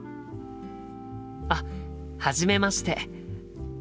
あっはじめまして。